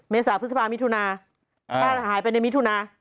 เมษาพฤษภามิถุนา